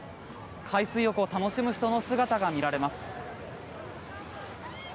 海水浴を楽しむ人の姿が見られます。